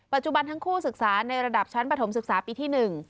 ทั้งคู่ศึกษาในระดับชั้นปฐมศึกษาปีที่๑